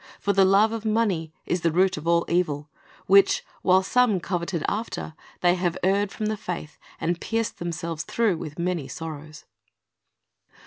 For the love, of money is the root of all evil ; which, while some coveted after, they have erred from the faith, and pierced themselves through with many sorrows."